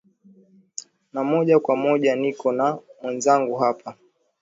na moja kwa moja niko na mwenzangu hapa